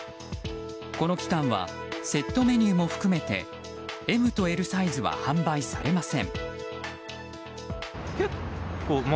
この期間はセットメニューも含めＭとＬサイズは販売されません。